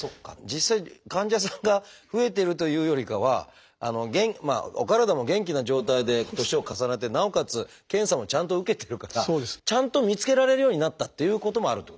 実際患者さんが増えてるというよりかはお体も元気な状態で年を重ねてなおかつ検査もちゃんと受けてるからちゃんと見つけられるようになったっていうこともあるっていうことですね。